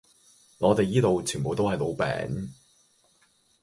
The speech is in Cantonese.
我地依度全部都係老餅